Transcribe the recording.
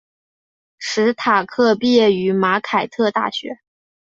史塔克毕业于马凯特大学。